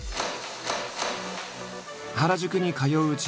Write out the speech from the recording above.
原宿に通ううち